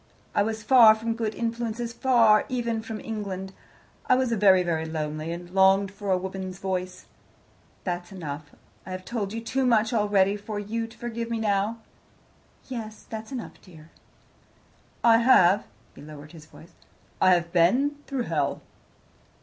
I was far from good influences far even from England. I was very, very lonely, and longed for a woman's voice. That's enough. I have told you too much already for you to forgive me now." "Yes, that's enough, dear." "I have" he lowered his voice "I have been through hell."